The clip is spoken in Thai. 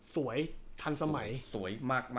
สวยทันสมัยสวยมาก